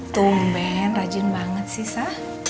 tumben rajin banget sih sah